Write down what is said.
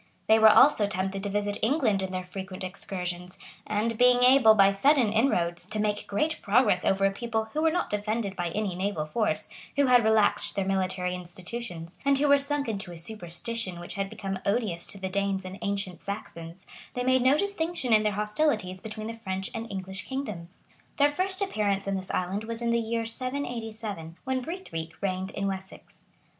They were also tempted to visit England in their frequent excursions; and being able, by sudden inroads, to make great progress over a people who were not defended by any naval force, who had relaxed their military institutions, and who were sunk into a superstition which had become odious to the Danes and ancient Saxons, they made no distinction in their hostilities between the French and English kingdoms. Their first appearance in this island was in the year 787,[] when Brithric reigned in Wessex.